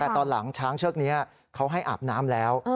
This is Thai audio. แต่ตอนหลังช้างเชือกนี้เขาให้อาบน้ำแล้ว